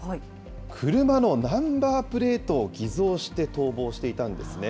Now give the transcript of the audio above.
車のナンバープレートを偽造して逃亡していたんですね。